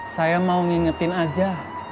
saya mau ngingetin aja